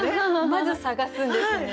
まず探すんですね。